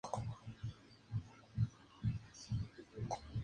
Estudió luego Teología en el Colegio Máximo de San Pablo de Lima.